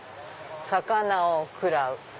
「魚を喰らう」。